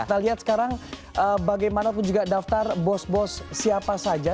kita lihat sekarang bagaimanapun juga daftar bos bos siapa saja